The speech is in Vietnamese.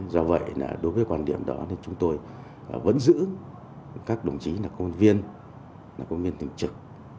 do vậy đối với quan điểm đó thì chúng tôi vẫn giữ các đồng chí là công an viên công an viên tỉnh trực